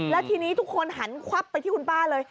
แล้วทีนี้ทุกคนหันควับไปที่คุณป้าเลย